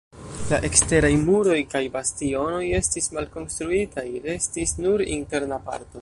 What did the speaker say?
La eksteraj muroj kaj bastionoj estis malkonstruitaj, restis nur la interna parto.